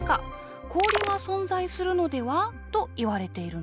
氷が存在するのでは？といわれているんですね。